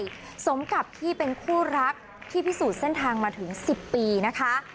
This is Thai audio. สมกับที่เป็นคู่รักที่พิสูจน์เส้นทางมาถึง๑๐ปีนะคะ